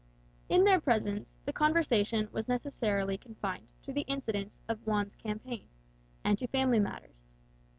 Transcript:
In their presence the conversation was necessarily confined to the incidents of Juan's campaign, and to family matters.